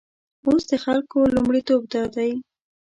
اوس د خلکو لومړیتوب دادی.